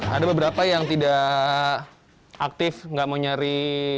ada beberapa yang tidak aktif nggak mau nyari